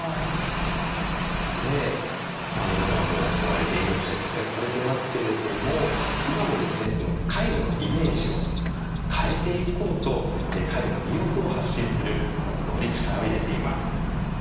で今ではもうお笑い芸人として活躍されていますけれども今もですねその介護のイメージを変えていこうと介護の魅力を発信する活動に力を入れています。